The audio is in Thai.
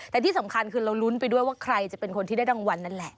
แต่ที่สำคัญคือเรารุ้นไปด้วยว่าใครจะเป็นคนที่ได้รางวัลนั่นแหละ